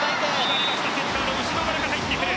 セッターの後ろから入ってくる。